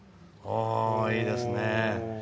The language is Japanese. いいですね。